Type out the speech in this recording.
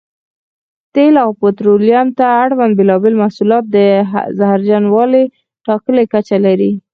تېلو او پټرولیم ته اړوند بېلابېل محصولات د زهرجنوالي ټاکلې کچه لري.